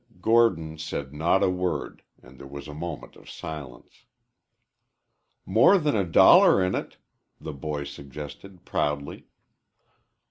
Gordon said not a word and there was a moment of silence. "More than a dollar in it," the boy suggested, proudly.